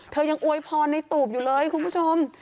ยังอวยพรในตูบอยู่เลยคุณผู้ชม